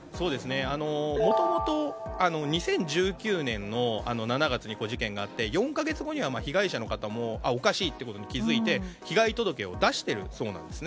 もともと２０１９年の７月に事件があって４か月後には被害者の方もおかしいっていうことに気づいて被害届を出しているそうなんです。